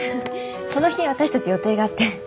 その日私たち予定があって。